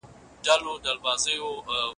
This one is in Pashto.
ولي په ښوونځي کي انتقادي فکر ته اړتیا سته؟